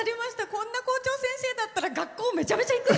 こんな校長先生だったら学校にめちゃめちゃ行く。